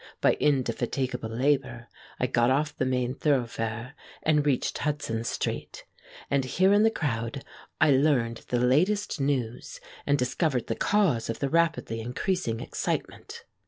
By indefatigable labor I got off the main thoroughfare and reached Hudson Street, and here in the crowd I learned the latest news and discovered the cause of the rapidly increasing excitement.